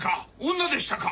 女でしたか？